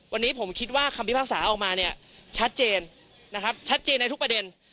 วันนี้ผมคิดว่าคำพิพากษาออกมาเนี่ยชัดเจนนะครับชัดเจนในทุกประเด็น